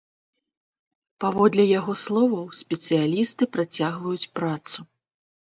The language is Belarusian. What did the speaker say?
Паводле яго словаў, спецыялісты працягваюць працу.